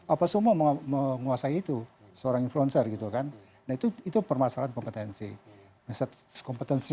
apa semua menguasai itu seorang influencer gitu kan nah itu itu permasalahan kompetensi kompetensi